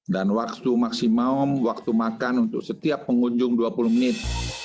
dua puluh dan waktu maksimum waktu makan untuk setiap pengunjung dua puluh menit